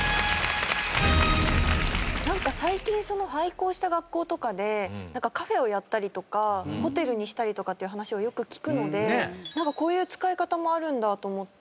なんか最近廃校した学校とかでカフェをやったりとかホテルにしたりとかっていう話をよく聞くのでこういう使い方もあるんだと思って。